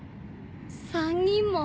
３人も。